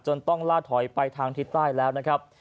ต้องล่าถอยไปทางทิศใต้แล้วนะครับ